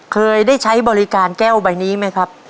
เคยได้ใช้บริการแก้วใบนี้ไหมครับ